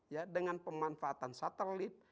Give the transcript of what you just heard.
ya dengan pemanfaatan satelit